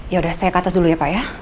yaudah saya ke atas dulu ya pak ya